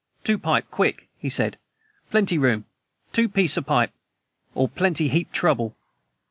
"Two pipe quick," he said. "Plenty room. Two piecee pipe or plenty heap trouble."